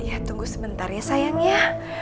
ya tunggu sebentar ya sayang ya